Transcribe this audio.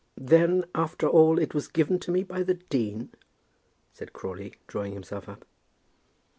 "Then, after all, it was given to me by the dean?" said Crawley, drawing himself up.